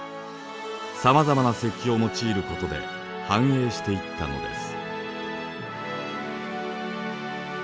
さまざまな石器を用いることで繁栄していったのです。